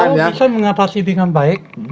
kalau bisa mengatasi dengan baik